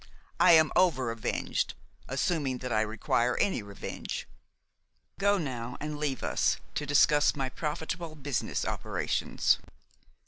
I am over avenged, assuming that I require any revenge. Go now and leave us to discuss my profitable business operations."